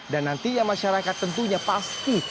dan nantinya masyarakat tentunya pasti